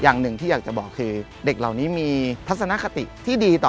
อย่างหนึ่งที่อยากจะบอกคือเด็กเหล่านี้มีทัศนคติที่ดีต่อ